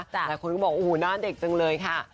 แต่คุณขอบคุณที่บอกโอ้โฮหน้าเด็กเจริงเลยค่ะ